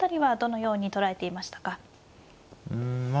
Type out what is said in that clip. うんまあ